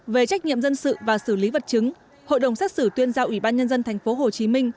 về trách nhiệm dân sự và xử lý vật chứng hội đồng xét xử tuyên giao ủy ban nhân dân tp hcm